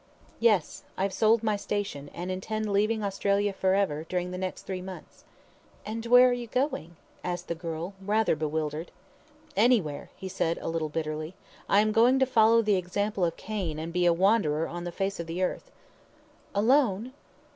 "Yes; I have sold my station, and intend leaving Australia for ever during the next three months." "And where are you going?" asked the girl, rather bewildered. "Anywhere," he said a little bitterly. "I am going to follow the example of Cain, and be a wanderer on the face of the earth!" "Alone!"